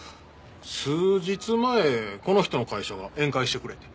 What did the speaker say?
数日前この人の会社が宴会してくれて。